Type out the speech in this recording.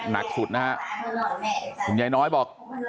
หนักสุดนะฮะคุณยายน้อยบอก